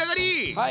はい！